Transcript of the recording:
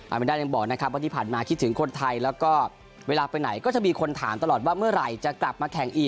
เมนด้ายังบอกนะครับว่าที่ผ่านมาคิดถึงคนไทยแล้วก็เวลาไปไหนก็จะมีคนถามตลอดว่าเมื่อไหร่จะกลับมาแข่งอีก